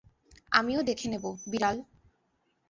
আমিও দেখে নেবো, বিড়াল।